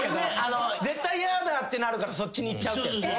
絶対やだってなるからそっちにいっちゃうってやつ。